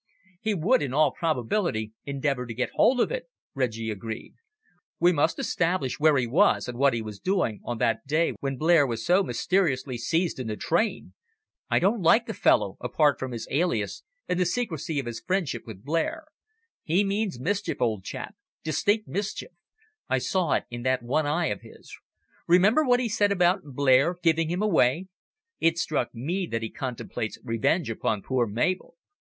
"He would, in all probability, endeavour to get hold of it," Reggie agreed. "We must establish where he was and what he was doing on that day when Blair was so mysteriously seized in the train. I don't like the fellow, apart from his alias and the secrecy of friendship with Blair. He means mischief, old chap distinct mischief. I saw it in that one eye of his. Remember what he said about Blair giving him away. It struck me that he contemplates revenge upon poor Mabel."